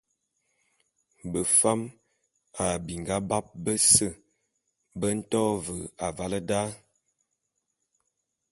Befam a binga bap bese be nto ve avale da.